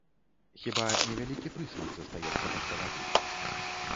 Хіба невялікі прысмак застаецца пасля вады.